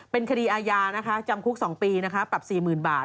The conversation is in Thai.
เป็นคดีอาญานะคะจำคุก๒ปีนะคะปรับ๔๐๐๐บาท